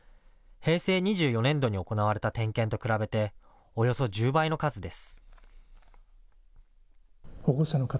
平成２４年度に行われた点検と比べておよそ１０倍の数です。